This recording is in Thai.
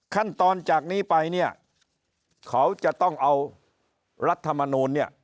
ขั้นตอนจากนี้ไปเขาจะต้องเอารัฐมนูล